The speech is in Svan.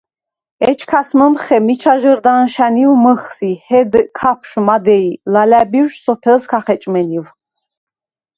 ეჩქას მჷმხე მიჩა ჟჷრდ ა̈ნშა̈ნივ მჷხს ი ჰედ ქაფშვ, მადეჲ ლალა̈ბიშვ სოფელს ქა ხეჭმენივ.